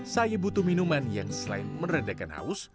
saya butuh minuman yang selain meredakan haus